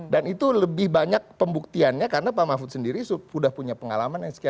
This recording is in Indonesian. dan itu lebih banyak pembuktiannya karena pak mahfud sendiri sudah punya pengalaman